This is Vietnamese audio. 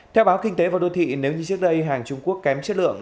theo báo kinh tế và đô thị nếu như trước đây hàng trung quốc kém chất lượng